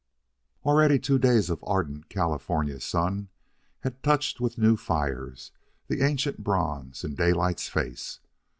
Already two days of ardent California sun had touched with new fires the ancient bronze in Daylight's face.